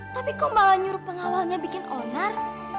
tapi kok malah nyuruh pengawalnya bikin onar